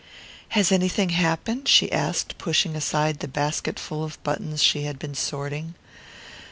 "Has anything happened?" she asked, pushing aside the basketful of buttons she had been sorting.